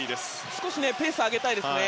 少しペースを上げたいですね。